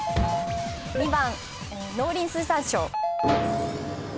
２番農林水産省。